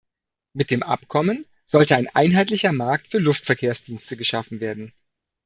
Mit dem Abkommen sollte ein einheitlicher Markt für Luftverkehrsdienste geschaffen werden.